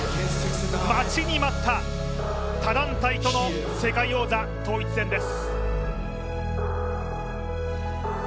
待ちに待った他団体との世界王座統一戦です。